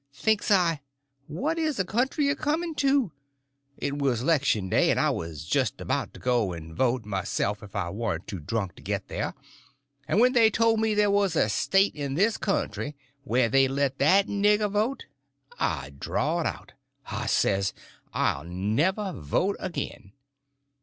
Thinks I, what is the country a coming to? It was 'lection day, and I was just about to go and vote myself if I warn't too drunk to get there; but when they told me there was a State in this country where they'd let that nigger vote, I drawed out. I says I'll never vote agin.